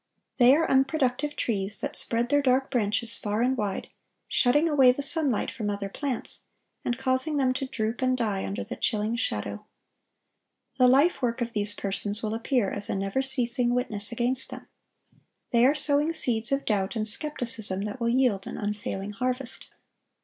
They are unproductive trees, that spread their dark branches far and wide, shutting away the sunlight from other plants, and causing them to droop and die under the chilling shadow. The life work of these persons will appear as a never ceasing witness against them. They are sowing seeds of doubt and skepticism that will yield an unfailing harvest.